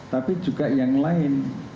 tapi juga yang lain